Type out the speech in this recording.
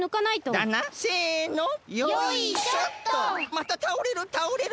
またたおれるたおれる！